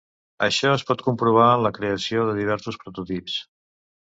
Això es pot comprovar en la creació de diversos prototips.